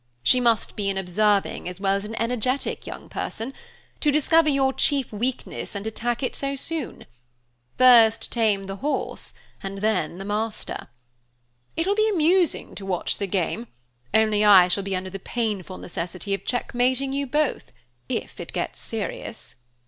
"She must be an observing as well as an energetic young person, to discover your chief weakness and attack it so soon. First tame the horse, and then the master. It will be amusing to watch the game, only I shall be under the painful necessity of checkmating you both, if it gets serious."